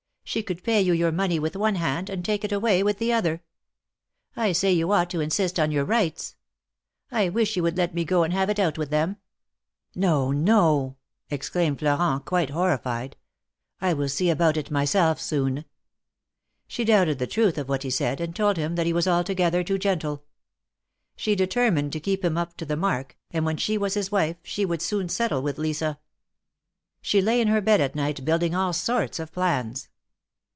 She could pay you your money with one hand, and take it away with the other. I say you ought to insist on your rights. I wish you would let me go and have it out with them." " No, no !" exclaimed Florent, quite horrified. " I will see about it myself soon." She doubted the truth of what he said, and told him that he was altogether too gentle. She determined to keep him up to the mark, and when she was his wife she wouhl soon settle with Lisa. She lay in her bed at night build ing all sorts of plans.